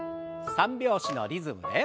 ３拍子のリズムで。